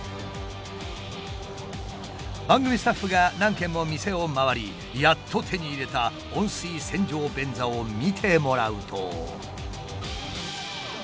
番組スタッフが何軒も店を回りやっと手に入れた温水洗浄便座を見てもらうと。